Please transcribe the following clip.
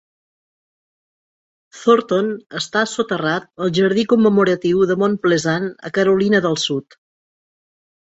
Thornton està soterrat al jardí commemoratiu de Mount Pleasant, a Carolina del sud.